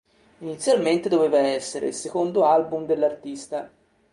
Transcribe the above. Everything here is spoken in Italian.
Inizialmente doveva essere il secondo album dell'artista.